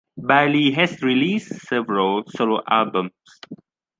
Bailey has released several solo albums.